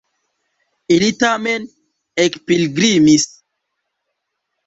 Ili tamen ekpilgrimis.